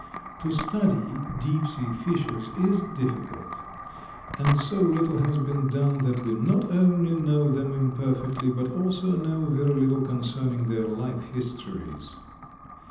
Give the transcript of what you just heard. To study deep sea fishes is difficult, and so little has been done that we not only know them imperfectly but also know very little concerning their life histories.